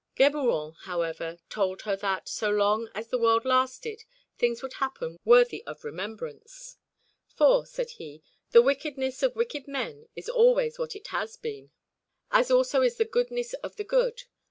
Geburon, however, told her that, so long as the world lasted, things would happen worthy of remembrance. "For," said he, "the wickedness of wicked men is always what it has been, as also is the goodness of the good.